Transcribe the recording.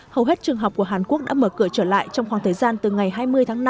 hầu hết trường học của hàn quốc đã mở cửa trở lại trong khoảng thời gian từ ngày hai mươi tháng năm